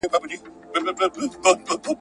لکه زرکه چي پر لاره سي روانه `